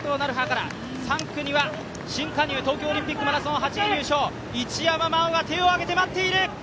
３区には新加入、東京オリンピックマラソン代表の一山麻緒が手を上げて待っている。